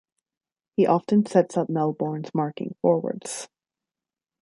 He often sets up Melbourne's marking forwards.